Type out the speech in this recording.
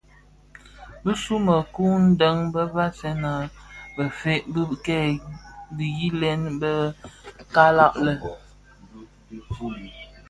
Bisu u mekuu deň më vasèn a bëfeeg bë kè dhiyilèn bè kalag lè,